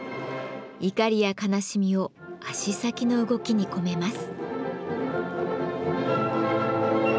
怒りや悲しみを足先の動きに込めます。